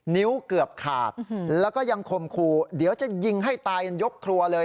นิ้วเกือบขาดแล้วก็ยังคมครูเดี๋ยวจะยิงให้ตายกันยกครัวเลย